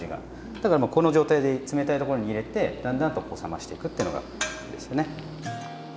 だからこの状態で冷たいところに入れてだんだんとこう冷ましていくってのがいいですよね。